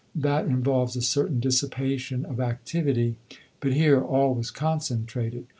That involves a certain dissipation of activity; but here all was concentrated.